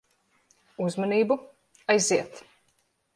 Uzmanību. Aiziet.